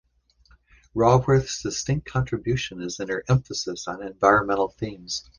Raworth’s distinct contribution is in her emphasis on environmental themes.